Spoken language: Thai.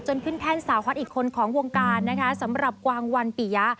ขึ้นแท่นสาวฮอตอีกคนของวงการนะคะสำหรับกวางวันปียะ